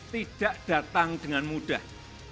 tidak datang dengan mudah